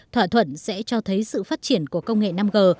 thỏa thuận sẽ cho thấy sự phát triển của công nghệ năm g